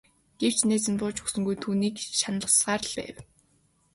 Гэвч найз нь бууж өгсөнгүй түүнийг шаналгасаар л байв.